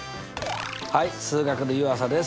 はい数学の湯浅です。